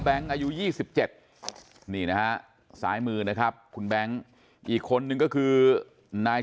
อายุ๒๗นี่นะฮะซ้ายมือนะครับคุณแบงค์อีกคนนึงก็คือนาย